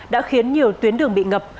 đã khiến nhiều tuyến đường bị ngập